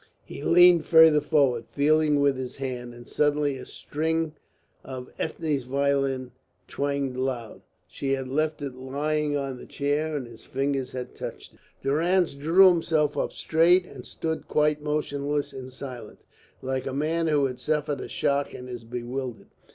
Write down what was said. He leaned farther forward, feeling with his hand, and suddenly a string of Ethne's violin twanged loud. She had left it lying on the chair, and his fingers had touched it. Durrance drew himself up straight and stood quite motionless and silent, like a man who had suffered a shock and is bewildered.